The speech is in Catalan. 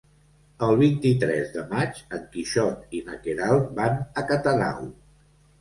El vint-i-tres de maig en Quixot i na Queralt van a Catadau.